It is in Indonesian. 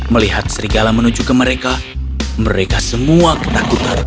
melihat serigala menuju ke mereka mereka semua ketakutan